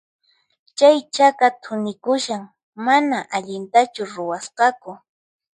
Chay chaka thunikushan, manan allintachu ruwasqaku.